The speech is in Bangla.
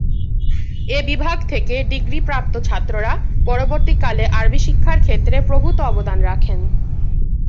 এ বিভাগ থেকে ডিগ্রিপ্রাপ্ত ছাত্ররা পরবর্তীকালে আরবি শিক্ষার ক্ষেত্রে প্রভূত অবদান রাখেন।